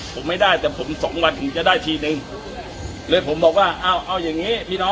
ผมไม่ได้แต่๒วันผมจะได้ทีนึง